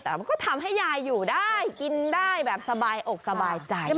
แต่มันก็ทำให้ยายอยู่ได้กินได้แบบสบายอกสบายใจ